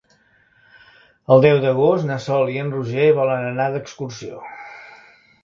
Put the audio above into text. El deu d'agost na Sol i en Roger volen anar d'excursió.